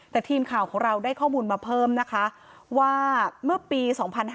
แต่ทีมข่าวของเราได้ข้อมูลมาเพิ่มนะคะว่าเมื่อปี๒๕๕๙